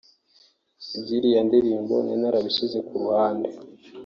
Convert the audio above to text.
iby’iriya ndirimbo nari narabishyize ku ruhande